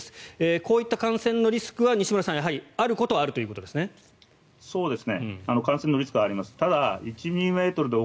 こういった感染のリスクは西村さん、やはりあることはあるということですね。